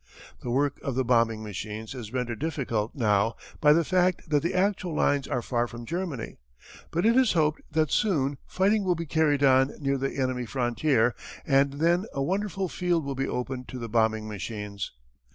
"The work of the bombing machines is rendered difficult now by the fact that the actual lines are far from Germany. But it is hoped that soon fighting will be carried on near the enemy frontier and then a wonderful field will be opened to the bombing machines.